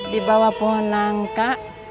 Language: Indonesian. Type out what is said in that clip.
di bawah pohon langka